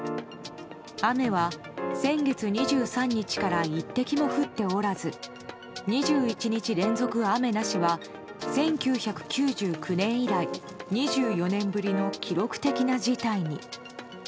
雨は先月２３日から一滴も降っておらず２１日連続雨なしは１９９９年以来２４年ぶりの記録的な事態に。